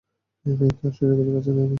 এই মেয়েকে আর সহ্য করতে পারছি না আমি।